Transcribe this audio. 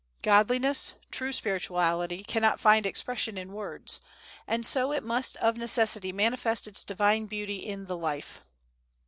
Godliness, true spirituality, cannot find expression in words, and so it must of necessity manifest its Divine beauty in the life.